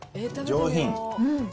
上品。